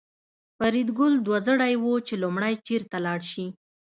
فریدګل دوه زړی و چې لومړی چېرته لاړ شي